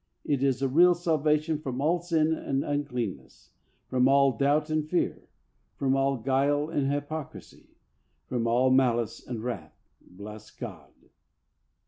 It is a real salvation from all sin and uncleanness ; from all doubt and fear ; from all guile and hypocrisy j from all malice and wrath. Bless God